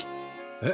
えっ？